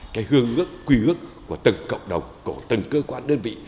cái hương ước quy ước của từng cộng đồng của từng cơ quan đơn vị